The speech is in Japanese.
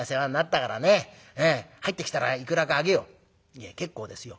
「いえ結構ですよ」。